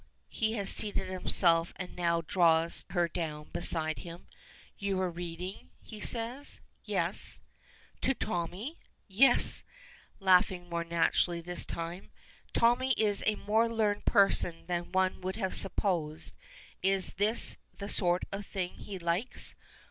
He has seated himself and now draws her down beside him. "You were reading?" he says. "Yes." "To Tommy?" "Yes," laughing more naturally this time. "Tommy is a more learned person than one would have supposed. Is this the sort of thing he likes?"